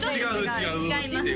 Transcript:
違います